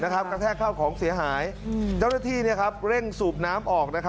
กระแทกเข้าของเสียหายเจ้าหน้าที่เร่งสูบน้ำออก